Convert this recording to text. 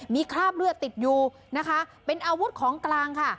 มีคราบเลือดติดอยู่นะคะเป็นอาวุธของกลางค่ะ